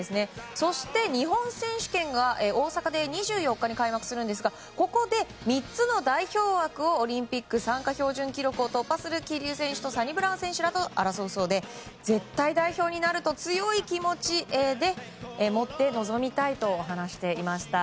そして、日本選手権が大阪で２４日に開幕するんですがここで３つの代表枠をオリンピック参加標準記録を突破する桐生選手とサニブラウン選手らと争うそうで絶対代表になると強い気持ちでもって臨みたいと話していました。